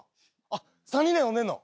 あっ３人で飲んでんの。